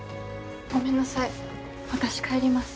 ごめんなさい私帰ります。